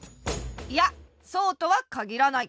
いやそうとはかぎらない。